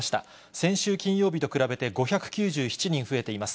先週金曜日と比べて比べて５９７人増えています。